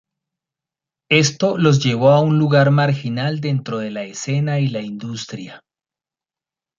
Esto los llevó a un lugar marginal dentro de la escena y la industria.